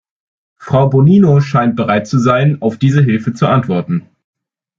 Frau Bonino scheint bereit zu sein, auf diese Hilfe zu antworten.